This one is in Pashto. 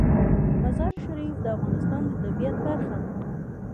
مزارشریف د افغانستان د طبیعت برخه ده.